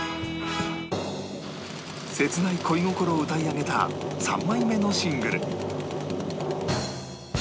切ない恋心を歌い上げた３枚目のシングル